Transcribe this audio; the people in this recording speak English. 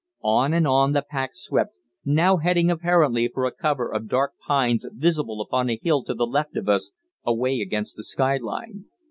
On and on the pack swept, now heading apparently for a cover of dark pines visible upon a hill to the left of us, away against the skyline.